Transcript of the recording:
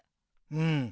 うん。